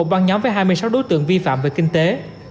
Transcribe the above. băng nhóm với hai mươi sáu đối tượng vi phạm về kinh tế